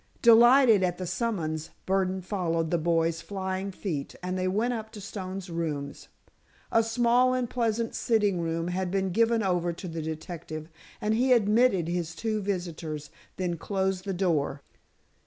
Delighted at the summons, Burdon followed the boy's flying feet and they went up to Stone's rooms. A small and pleasant sitting room had been given over to the detective, and he admitted his two visitors, then closed the door.